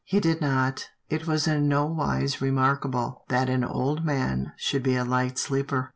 He did not. It was in no wise remarkable, that an old man should be a light sleeper.